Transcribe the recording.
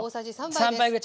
３杯ぐらい。